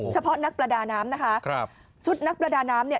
เฉพาะนักประดาน้ำนะคะครับชุดนักประดาน้ำเนี่ย